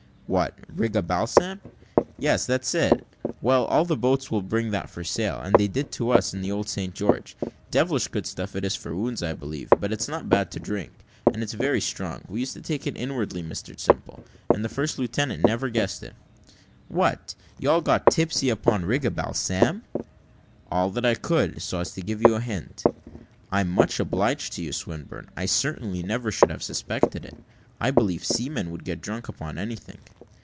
"What, Riga balsam?" "Yes, that's it; well, all the boats will bring that for sale, as they did to us in the old St. George. Devilish good stuff it is for wounds, I believe; but it's not bad to drink, and it's very strong. We used to take it inwardly, Mr Simple, and the first lieutenant never guessed it." "What! you all got tipsy upon Riga balsam?" "All that could; so I just give you a hint." "I'm much obliged to you, Swinburne; I certainly never should have suspected it. I believe seamen would get drunk upon anything."